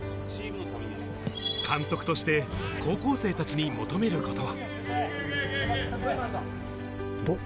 監督として高校生達に求めることは。